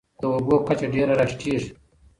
د اوبو کچه ډېره راټیټېږي.